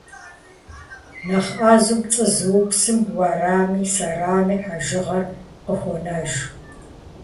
Нэхъ Ӏэзэу пцӀы зыупсым - уэрами сэрами - хьэжыгъэр къыхуонэж.